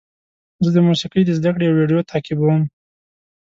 زه د موسیقۍ د زده کړې ویډیو تعقیبوم.